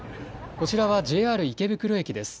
こちらはＪＲ池袋駅です。